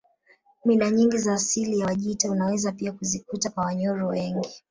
Mila nyingi za asili za Wajita unaweza pia kuzikuta kwa Wanyoro wengi